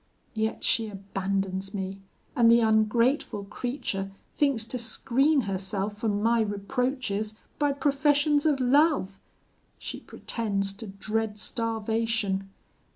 Yet she abandons me, and the ungrateful creature thinks to screen herself from my reproaches by professions of love! She pretends to dread starvation!